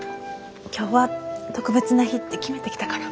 今日は特別な日って決めて来たから。